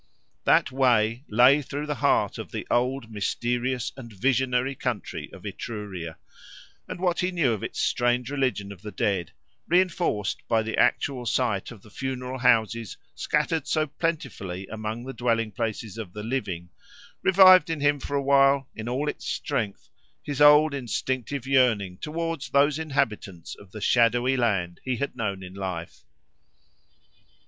That Way lay through the heart of the old, mysterious and visionary country of Etruria; and what he knew of its strange religion of the dead, reinforced by the actual sight of the funeral houses scattered so plentifully among the dwelling places of the living, revived in him for a while, in all its strength, his old instinctive yearning towards those inhabitants of the shadowy land he had known in life.